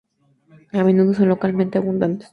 A menudo son localmente abundantes.